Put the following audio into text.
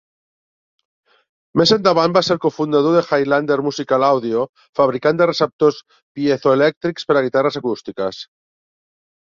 Més endavant va ser el cofundador de Highlander Musical Audio, fabricant de receptors piezoelèctrics per a guitarres acústiques.